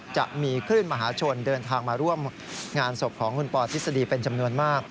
จะมีคลื่นมหาชนเดินทางมาร่วมงานศพของคุณปอทฤษฎีเป็นจำนวนมาก